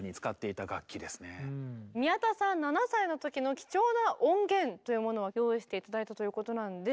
宮田さん７歳の時の貴重な音源というものを用意して頂いたということなんで。